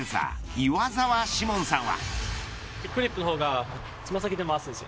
岩澤史文さんは。